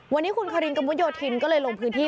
วันนี้คุณคารินกระมุดโยธินก็เลยลงพื้นที่